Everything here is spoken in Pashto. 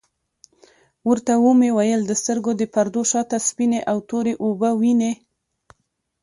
ورته ومي ویل د سترګو د پردو شاته سپیني او توری اوبه وینې ؟